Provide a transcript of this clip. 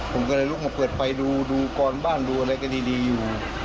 ผมก็เลยลุกมาเปิดไฟดูก่อนบ้านดูอะไรกันดีอยู่